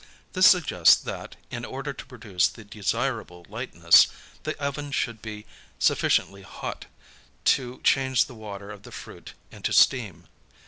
This suggests that, in order to produce the desirable lightness, the oven should be sufficiently hot to change the water of the fruit into steam.